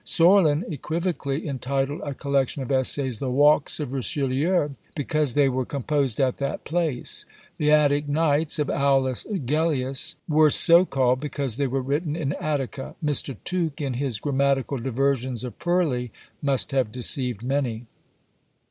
Sorlin equivocally entitled a collection of essays, "The Walks of Richelieu," because they were composed at that place; "The Attic Nights" of Aulus Gellius were so called, because they were written in Attica. Mr. Tooke, in his grammatical "Diversions of Purley," must have deceived many.